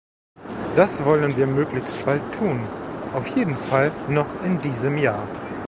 Das wollen wir möglichst bald tun, auf jeden Fall noch in diesem Jahr.